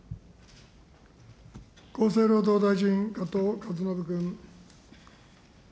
厚生労働大臣、加藤勝信君。